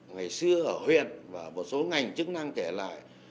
ngày xưa ở huyện và một số ngành chức năng kể lại